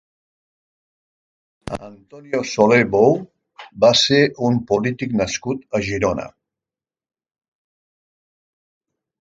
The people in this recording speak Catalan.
Antonio Soler Bou va ser un polític nascut a Girona.